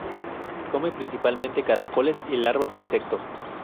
Come principalmente caracoles y larvas de insectos.